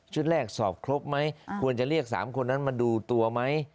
ชุดแรกสอบครบไหมอ่าควรจะเรียกสามคนนั้นมาดูตัวไม่